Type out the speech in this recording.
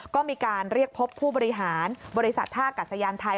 ก็มีการเรียกพบผู้บริหารบริษัทท่ากัดสยานไทย